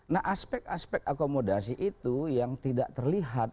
nah aspek aspek akomodasi itu yang tidak terlihat